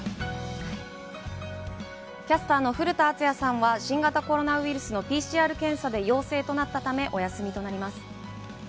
キャスターの古田敦也さんは、新型コロナウイルスのＰＣＲ検査で陽性となったため、お休みとなります。